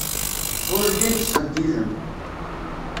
Ur llin ttqeyyilen.